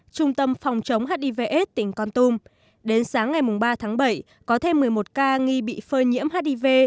trung tâm phòng chống hivs tỉnh con tum đến sáng ngày ba tháng bảy có thêm một mươi một ca nghi bị phơi nhiễm hiv